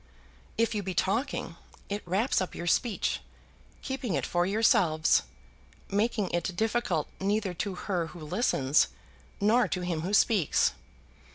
If you be talking, it wraps up your speech, keeping it for yourselves, making it difficult neither to her who listens nor to him who speaks.